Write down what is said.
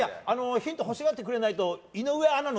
ヒント欲しがってくれないと井上アナの